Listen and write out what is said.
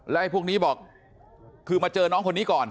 แล้วไอ้พวกนี้บอกคือมาเจอน้องคนนี้ก่อน